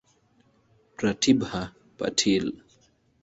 Pratibha Patil.